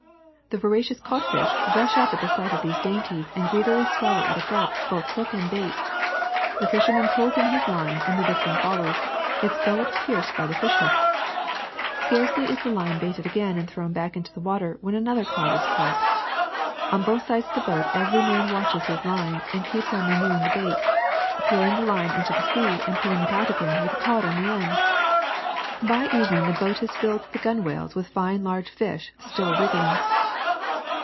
The voracious codfish rush up at the sight of these dainties and greedily swallow at a gulp both hook and bait. The fisherman pulls in his line and the victim follows, its gullet pierced by the fish hook. Scarcely is the line baited again and thrown back into the water when another cod is caught. On both sides of the boat every man watches his lines and keeps on renewing the bait, throwing the line into the sea and pulling it in again with a cod at the end. CODFISH 289 By evening the boat is filled to the gunwales with fine large fish, still wriggling."